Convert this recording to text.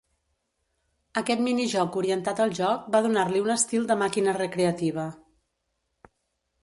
Aquest minijoc orientat al joc va donar-li un estil de màquina recreativa.